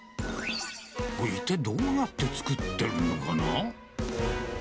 一体どうやって作ってるのかな。